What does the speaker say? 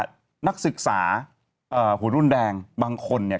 หรือนักศึกษาหัวรุ่นแดงบางคนเนี่ย